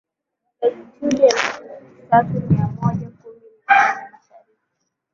Longitudi elfu tatu mia moja kumi na nane Mashariki